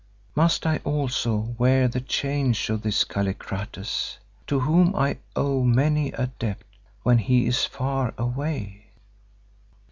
Must I also wear the chains of this Kallikrates, to whom I owe many a debt, when he is far away?